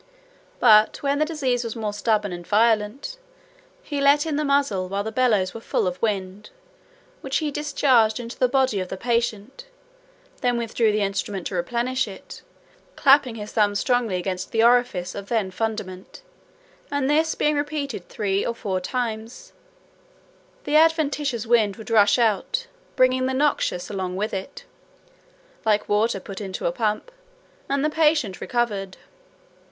But when the disease was more stubborn and violent, he let in the muzzle while the bellows were full of wind, which he discharged into the body of the patient; then withdrew the instrument to replenish it, clapping his thumb strongly against the orifice of the fundament; and this being repeated three or four times, the adventitious wind would rush out, bringing the noxious along with it, (like water put into a pump), and the patient recovered.